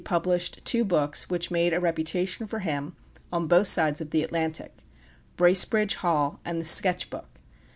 During that interval he published two books, which made a reputation for him on both sides of the Atlantic, "Bracebridge Hall" and "The Sketch Book."